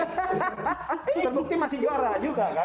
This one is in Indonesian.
terbukti masih juara juga kan